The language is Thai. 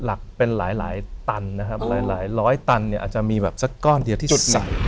หลักเป็นหลายตันนะครับหลายร้อยตันเนี่ยอาจจะมีแบบสักก้อนเดียวที่สุด